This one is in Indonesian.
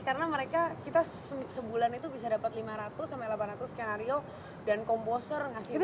karena mereka kita sebulan itu bisa dapat lima ratus delapan ratus skenario dan composer ngasih musiknya